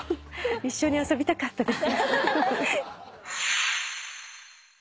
一緒に遊びたかったです。